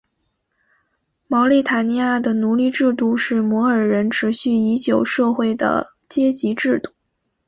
茅利塔尼亚的奴隶制度是摩尔人持续已久社会的阶级制度。